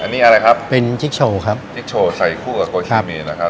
อันนี้อะไรครับเป็นชิคโชครับชิคโชใส่คู่กับโกชิมีนะครับ